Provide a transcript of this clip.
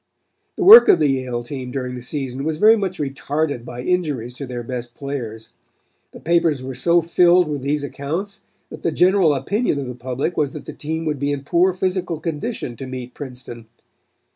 "The work of the Yale team during the season was very much retarded by injuries to their best players. The papers were so filled with these accounts that the general opinion of the public was that the team would be in poor physical condition to meet Princeton.